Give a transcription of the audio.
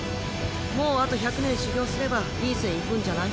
もうあと１００年修業すればいい線いくんじゃない？